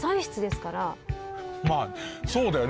まあそうだよね。